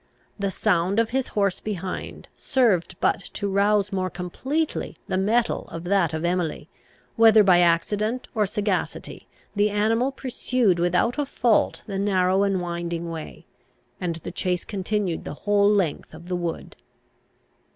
The sound of his horse behind served but to rouse more completely the mettle of that of Emily; whether by accident or sagacity, the animal pursued without a fault the narrow and winding way; and the chase continued the whole length of the wood.